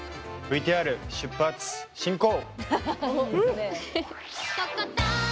ＶＴＲ出発進行！